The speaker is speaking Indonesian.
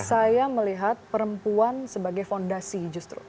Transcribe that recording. saya melihat perempuan sebagai fondasi justru